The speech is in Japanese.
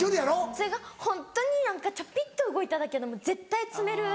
それがホントに何かちょぴっと動いただけでも絶対詰める。